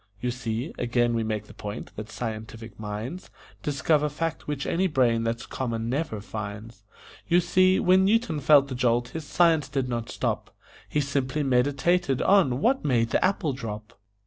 You see (again we make the point that scientific minds Discover facts which any brain that's common never finds), You see, when Newton felt the jolt, his science did not stop He simply meditated on "What made the apple drop?"